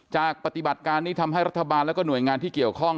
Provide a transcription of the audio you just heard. ปฏิบัติการนี้ทำให้รัฐบาลแล้วก็หน่วยงานที่เกี่ยวข้อง